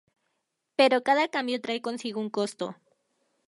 Pero cada cambio trae consigo un costo.